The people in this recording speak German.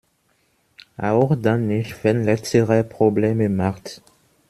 Auch dann nicht, wenn letzterer Probleme macht.